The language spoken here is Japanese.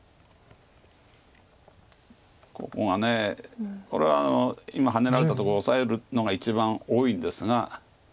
ここがこれは今ハネられたとこオサえるのが一番多いんですが。